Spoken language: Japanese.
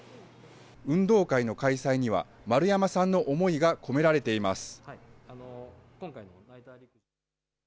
運動会の開催には、丸山さんの思いが込められています。